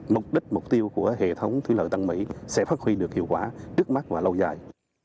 mục đích mục tiêu của hệ thống thủy lợi tân mỹ sẽ phát huy được hiệu quả trước mắt và lâu dài